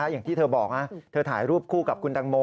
อย่างที่เธอบอกเธอถ่ายรูปคู่กับคุณตังโม